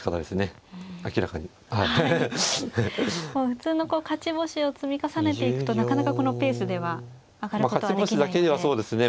普通の勝ち星を積み重ねていくとなかなかこのペースでは上がることはできないですね。